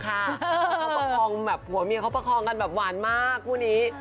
เขาประคองแบบผัวเมียเขาประคองกันแบบหวานมากคู่นี้